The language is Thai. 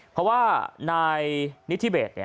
เพราะว่านายนิธิเบส